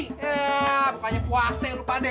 eh pokoknya puase lupa deh